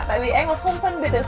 tại vì em không phân biệt được